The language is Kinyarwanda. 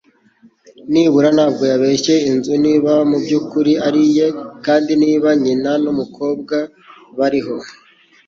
Nibura ntabwo yabeshye inzu ... niba mubyukuri ari iye, kandi niba nyina numukobwa bariho.